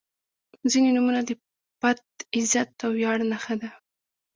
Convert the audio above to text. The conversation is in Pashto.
• ځینې نومونه د پت، عزت او ویاړ نښه ده.